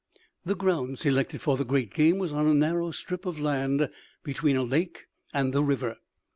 The ground selected for the great game was on a narrow strip of land between a lake and the river.